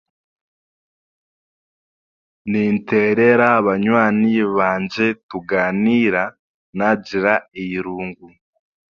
Ninteerera banywani bangye tugaaniira naagira eirungu